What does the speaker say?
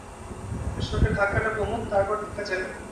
শোকের ধাক্কাটা কমুক, তারপর দেখা যাবে।